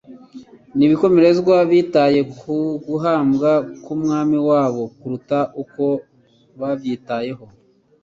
b'ibikomerezwa bitaye ku guhambwa k'Umwami wabo kuruta uko babyitayeho.